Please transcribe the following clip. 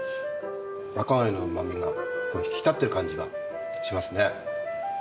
赤貝のうまみが引き立っている感じがしますね。